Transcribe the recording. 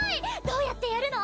どうやってやるの？